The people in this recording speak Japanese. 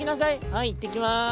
「はいいってきます。